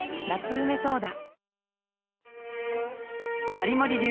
有森流